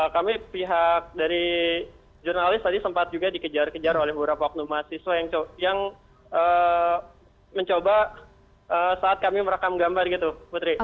kami pihak dari jurnalis tadi sempat juga dikejar kejar oleh beberapa oknum mahasiswa yang mencoba saat kami merekam gambar gitu putri